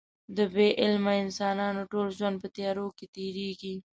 د بې علمه انسانانو ټول ژوند په تیارو کې تېرېږي.